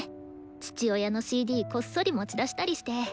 父親のＣＤこっそり持ち出したりして。